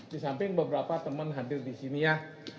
di samping beberapa teman hadir di sini ya